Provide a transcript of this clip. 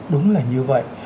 đúng là như vậy